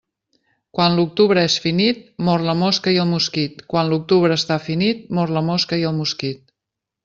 Quan l'octubre és finit, mor la mosca i el mosquit Quan l'octubre està finit, mor la mosca i el mosquit.